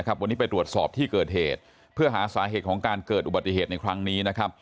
วันนี้ไปตรวจสอบที่เกิดเหตุเพื่อหาสาเหตุของการเกิดอุบัติเหตุในครั้งนี้นะครับ